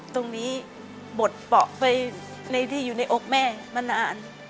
ตรงนี้บดเปาะไปในที่อยู่ในอกแม่มานาน